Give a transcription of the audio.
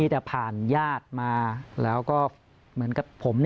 แต่ผ่านญาติมาแล้วก็เหมือนกับผม